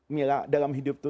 mela dalam hidup itu